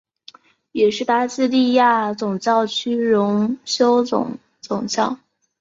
也是巴西利亚总教区荣休总主教。